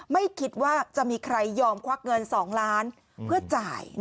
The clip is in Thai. ไม่คิดว่าจะมีใครยอมควักเงิน๒ล้านเพื่อจ่าย